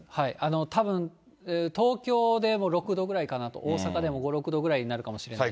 たぶん、東京でも６度くらいかなと、大阪で５、６度ぐらいになるかもしれません。